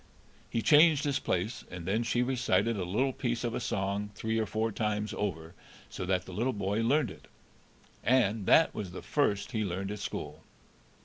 He changed his place, and then she recited a little piece of a song three or four times over so that the little boy learned it, and that was the first he learned at school.